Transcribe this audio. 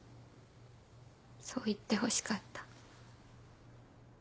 そう言ってほしかった。